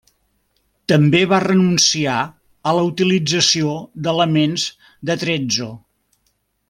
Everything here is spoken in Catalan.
També va renunciar a la utilització d'elements d'attrezzo.